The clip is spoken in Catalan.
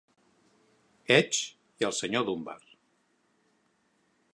Edge i el senyor Dunbar.